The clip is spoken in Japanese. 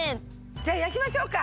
じゃあ焼きましょうか。